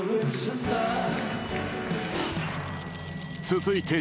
続いて